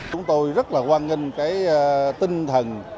chúng tôi rất là quan nghênh tinh thần